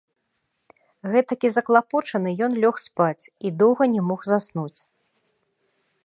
Гэтакі заклапочаны ён лёг спаць і доўга не мог заснуць.